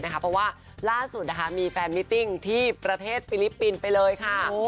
เพราะว่าล่าสุดมีแฟนมิติ้งที่ประเทศฟิลิปปินส์ไปเลยค่ะ